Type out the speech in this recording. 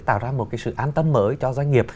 tạo ra một cái sự an tâm mới cho doanh nghiệp